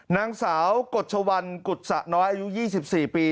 นางสาวกฎชวันกุศะน้อยอายุ๒๔ปี